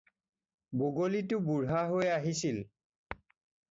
বগলীটো বুঢ়া হৈ আহিছিল।